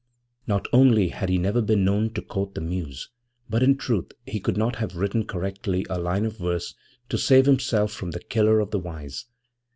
Not only had he never been known to court the Muse, but in truth he could not have written correctly a line of verse to save himself from the Killer of the Wise.